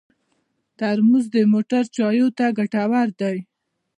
ترموز د موټر چایو ته ګټور دی.